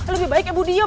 lebih baik ibu diem